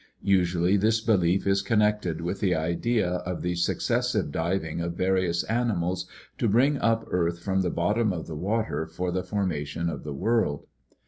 Usually this belief is connected with the idea of the successive diving of vari ous animals to bring up earth from the bottom of the water for the formation of the world.